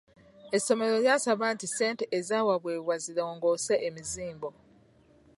Essomero lyasaba nti ssente ezabaweebwa zirongoose emizimbo.